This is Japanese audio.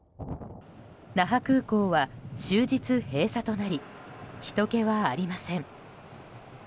那覇空港は終日閉鎖となりひとけはありません。